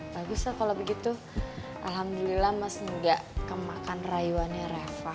bagus lah kalau begitu alhamdulillah mas enggak kemakan rayuannya reva